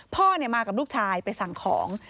พ่อมากับลูกชายไปสั่งของ